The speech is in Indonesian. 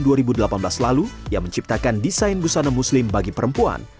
sejak tahun tahun lalu ia menciptakan desain busana muslim bagi perempuan